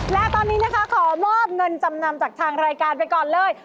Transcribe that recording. และตอนนี้นะคะขอมอบเงินจำนำจากทางรายการไปก่อนเลย